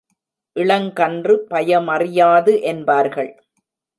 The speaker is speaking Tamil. இளங்கன்று பயமறியாது என்பார்கள்.